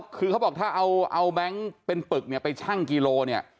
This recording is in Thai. คือเขาบอกถ้าเอาแบงค์เป็นปลึกไปชั่งกี่โล